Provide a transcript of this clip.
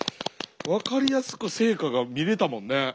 分かりやすく成果が見れたもんね。